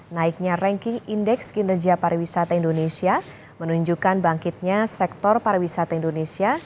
naiknya ranking indeks kinerja pariwisata indonesia menunjukkan bangkitnya sektor pariwisata indonesia